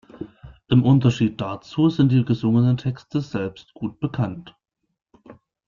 Im Unterschied dazu sind die gesungenen Texte selbst gut bekannt.